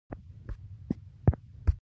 درناوی د هرې اړیکې اساس دی.